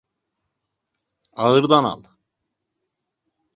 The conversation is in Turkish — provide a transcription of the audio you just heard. Ağırdan al.